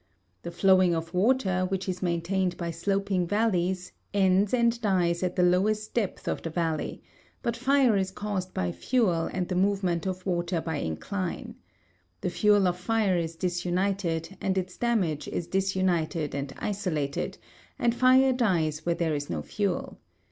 The flowing of water, which is maintained by sloping valleys, ends and dies at the lowest depth of the valley; but fire is caused by fuel and the movement of water by incline. The fuel of fire is disunited, and its damage is disunited and isolated, and fire dies where there is no fuel.